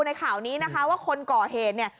ในข่าวนี้นะคะว่าคนก่อเหตุเนี่ย